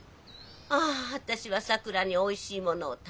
あ私はさくらにおいしいものを食べさせたい。